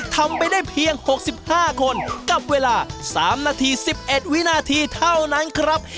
ทำไปได้เพียง๖๕คนกับเวลา๓นาที๑๑วินาทีเท่านั้นครับ